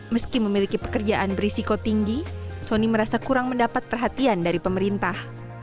meski memiliki pekerjaan berisiko tinggi soni merasa kurang mendapat perhatian dari pemerintah